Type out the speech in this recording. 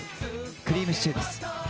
クリームシチューです。